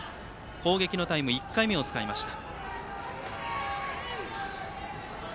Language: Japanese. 攻撃のタイム１回目を使いました。